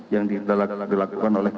yang dilakukan oleh